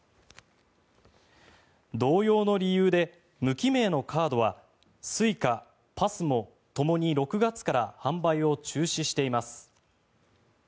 同様の理由で、無記名のカードはＳｕｉｃａ、ＰＡＳＭＯともに６月から販売を中止しています。